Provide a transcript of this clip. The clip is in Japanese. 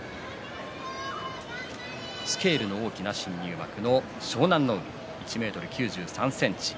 スケールの大きな新入幕の湘南乃海１ｍ９３ｃｍ。